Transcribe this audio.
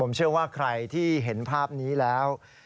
ผมเชื่อว่าใครที่เห็นภาพนี้แล้ว